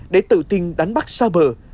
để tự tin đánh bắt xa bờ